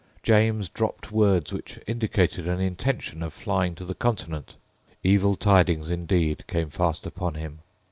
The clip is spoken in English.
James dropped words which indicated an intention of flying to the Continent. Evil tidings indeed came fast upon him.